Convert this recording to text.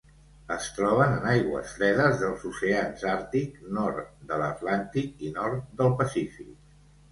Es troben en aigües fredes dels oceans Àrtic, nord de l'Atlàntic i nord del Pacífic.